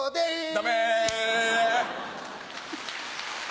ダメ！